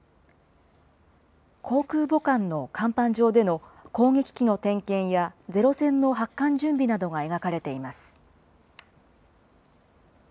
航空母艦の甲板上での攻撃機の点検や、ゼロ戦の発艦準備などが描かれています。